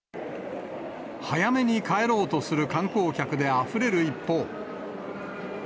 早めに帰ろうとする観光客であふれる一方。